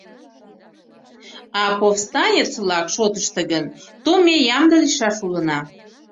— А повстанец-влак шотышто гын, то ме ямде лийшаш улына.